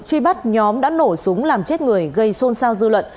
truy bắt nhóm đã nổ súng làm chết người gây xôn xao dư luận